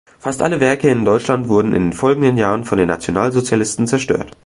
Fast alle Werke in Deutschland wurden in den folgenden Jahren von den Nationalsozialisten zerstört.